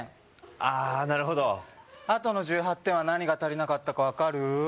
あなるほどあとの１８点は何が足りなかったか分かる？